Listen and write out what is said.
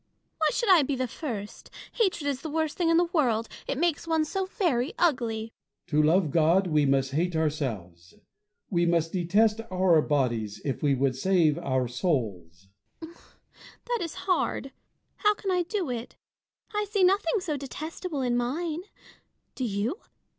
Why should I be the first 1 Hatred is the worst thing in the world : it makes one so very ugly. Bossuet. To love God, we must hate ourselves. We must detest our bodies, if we would save our souls. Fontanges. That is hard: how can I do it? I see nothing so detestable in mine. Do you